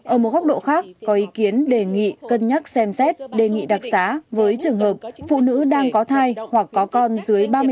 ở một góc độ khác có ý kiến đề nghị cân nhắc xem xét đề nghị đặc xá với trường hợp phụ nữ đang có thai hoặc có con dưới ba mươi năm